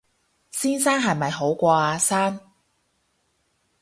先生係咪好過阿生